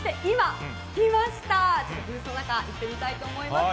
それではブースの中に行ってみたいと思います。